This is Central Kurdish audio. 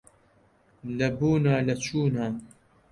لە بوونا لە چوونا